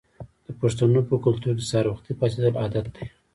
د پښتنو په کلتور کې سهار وختي پاڅیدل عادت دی.